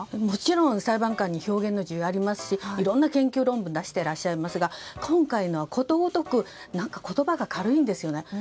もちろん裁判官に表現の自由はありますしいろんな研究論文を出していらっしゃいますが今回のはことごとく言葉が軽いんですよね。